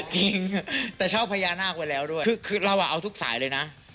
จริงแต่ชอบพญานาคไว้แล้วด้วยคือเราเอาทุกสายเลยนะ